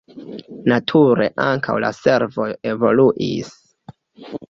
Nature ankaŭ la servoj evoluis.